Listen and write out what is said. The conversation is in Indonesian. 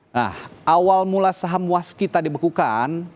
nah awal mula saham waskita dibekukan